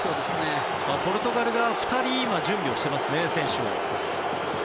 ポルトガルが２人選手の準備をしていますね。